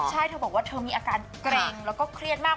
ใช่เธอบอกว่าเธอมีอาการเกร็งแล้วก็เครียดมาก